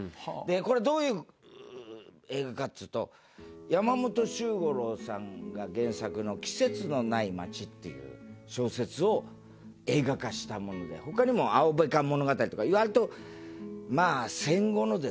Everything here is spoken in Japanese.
これどういう映画かっていうと山本周五郎さんが原作の『季節のない街』っていう小説を映画化したもので他にも『青べか物語』とか割とまあ戦後のですね